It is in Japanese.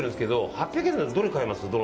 ８００円だと、どれ買えます？